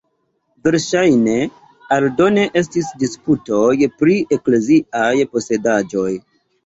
Verŝajne, aldone estis disputoj pri ekleziaj posedaĵoj.